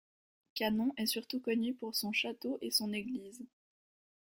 Canon est surtout connu pour son château et son église.